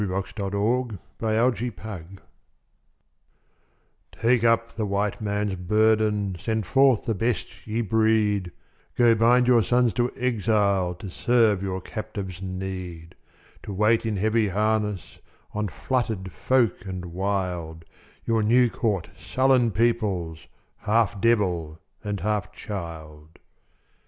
VII THE WHITE MAN'S BURDEN 1899 Take up the White Man's burden Send forth the best ye breed Go bind your sons to exile To serve your captives' need; To wait in heavy harness, On fluttered folk and wild Your new caught, sullen peoples, Half devil and half child.